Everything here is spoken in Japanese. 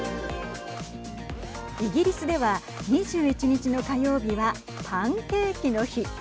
イギリスでは２１日の火曜日はパンケーキの日。